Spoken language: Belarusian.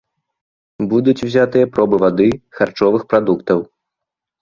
Будуць узятыя пробы вады, харчовых прадуктаў.